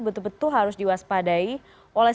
betul betul harus diwaspadai oleh